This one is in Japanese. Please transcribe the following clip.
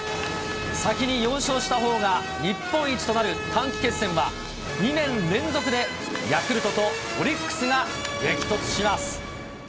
先に４勝したほうが日本一となる短期決戦は、２年連続でヤクルトとオリックスが激突します。